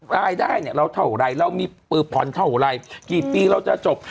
รายได้เนี่ยเราเท่าไรเรามีผ่อนเท่าไรกี่ปีเราจะจบ